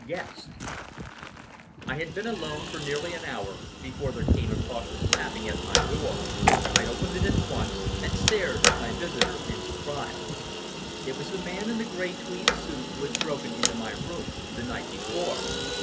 GUEST" I had been alone for nearly an hour before there came a cautious tapping at my door, I opened it at once, and stared at my visitor in surprise. It was the man in the grey tweed suit, who had broken into my room the night before.